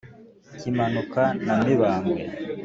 kimanuka na mibambwe